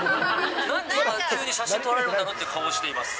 なんで急に写真撮られるんだろうっていう顔してます。